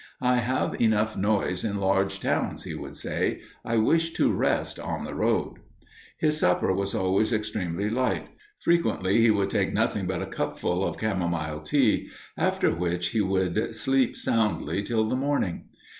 "I have enough noise in large towns," he would say, "I wish to rest on the road." His supper was always extremely light; frequently he would take nothing but a cupful of camomile tea, after which he would sleep soundly till the morning.